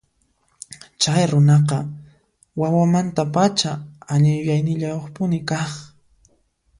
Chay runaqa wawamantapacha allin yuyaynillayuqpuni kaq.